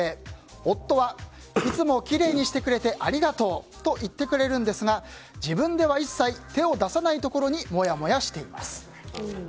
夫はいつもきれいにしてくれてありがとうと言ってくれるんですが自分では一切手を出さないことにモヤモヤしています。